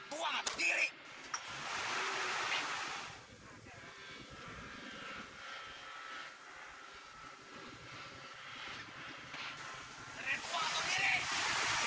tetep fresh kemurannya